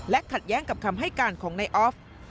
ขัดแย้งกับคำให้การของนายออฟ